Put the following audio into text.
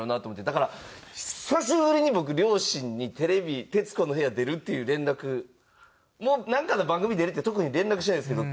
だから久しぶりに僕両親にテレビ『徹子の部屋』出るっていう連絡もうなんかの番組出るって特に連絡しないんですけど